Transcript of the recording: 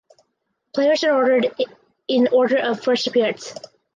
Players are ordered in order of first appearance.